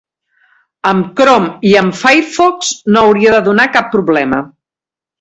Amb Chrome i amb Firefox no hauria de donar cap problema.